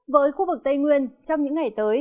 với khu vực tây nguyên trong những ngày tới